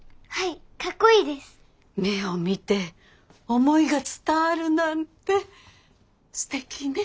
目を見て思いが伝わるなんてすてきね。